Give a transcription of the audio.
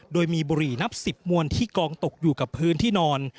โดยมีบุหรี่นับ๑๐มวลที่กองตกอยู่กับพื้นที่นอน